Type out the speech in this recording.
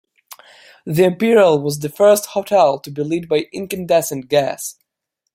The Imperial was the first hotel to be lit by incandescent gas.